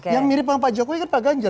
yang mirip dengan pak jokowi kan pak ganjar